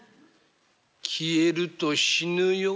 消えると死ぬよ？